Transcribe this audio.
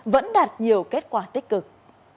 vẫn đạt nhiều kết quả tích cực